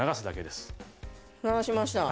流しました。